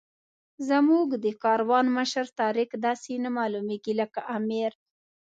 زموږ د کاروان مشر طارق داسې نه معلومېږي لکه امیر.